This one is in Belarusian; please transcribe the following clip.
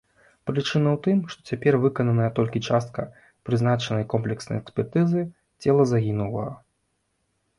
Прычына ў тым, што цяпер выкананая толькі частка прызначанай комплекснай экспертызы цела загінулага.